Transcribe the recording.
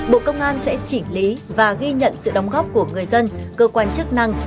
bộ công an sẽ chỉnh lý và ghi nhận sự đóng góp của người dân cơ quan chức năng